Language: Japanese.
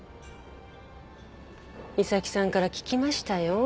美咲さんから聞きましたよ。